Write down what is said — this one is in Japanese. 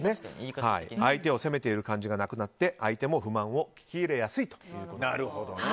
相手を攻めている感じがなくなって相手も不満を聞き入れやすいということです。